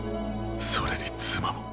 それに妻も。